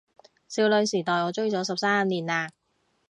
少女時代我追咗十三年喇